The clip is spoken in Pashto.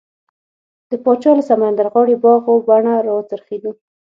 د پاچا له سمندرغاړې باغ و بڼه راوڅرخېدو.